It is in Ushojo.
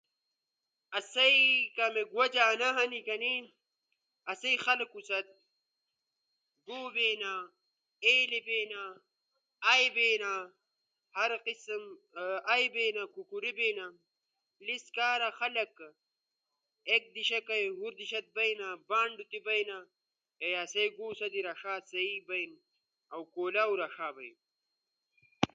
آسئی کامیک وجہ انا ہنی کنئی آسو خلقو ست گو بینا، بیلے بینا، ائ بینا، کوکورے بینا، لیس کارا خلق ایک دیشا کئی ہور دیشا بئینا، بانڈو تی بئینا، آسئی گو سا تی رݜا سہی بئینا، اؤ کولاؤ رݜا بئینا،